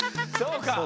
そうか。